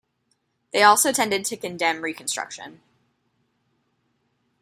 They also tended to condemn Reconstruction.